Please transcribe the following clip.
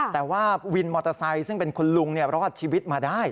แต่ว่าวินมอเตอร์ไซค์ซึ่งเป็นคุณลุงรอดชีวิตมาได้